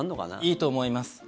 いいと思います。